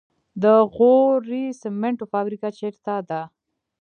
د غوري سمنټو فابریکه چیرته ده؟